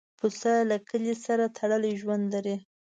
پسه له کلي سره تړلی ژوند لري.